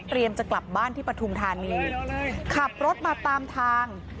จะกลับบ้านที่ปฐุมธานีขับรถมาตามทาง